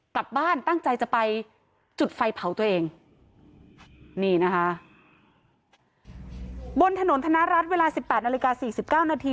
กลับบ้านตั้งใจจะไปจุดไฟเผาตัวเองนี่นะคะบนถนนธนรัฐเวลาสิบแปดนาฬิกาสี่สิบเก้านาที